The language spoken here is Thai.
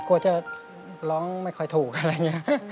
กลัวจะร้องไม่ค่อยถูกอะไรอย่างนี้